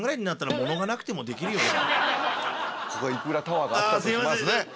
まあここにいくらタワーがあったとしますね。